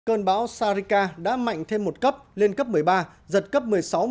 cơn bão sarika đã mạnh thêm một cấp lên cấp một mươi ba giật cấp một mươi sáu một mươi